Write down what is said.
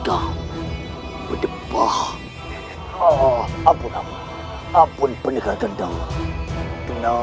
kenapa sakit pandegar gendeng ini